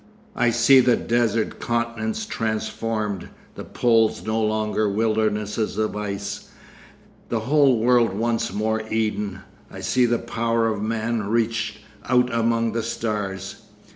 I see the desert continents transformed, the poles no longer wildernesses of ice, the whole world once more Eden. I see the power of man reach out among the stars....